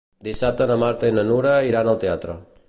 Dissabte na Marta i na Nura iran al teatre.